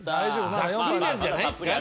ざっくりなんじゃないですか？